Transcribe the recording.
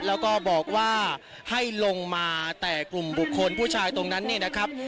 แล้วก็บอกว่าให้ลงมาแต่กลุ่มบุคคลผู้ชายตรงนั้นเนี่ยนะครับ